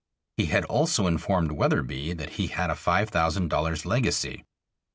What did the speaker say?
He had also informed Wetherbee that he had a five thousand dollars' legacy.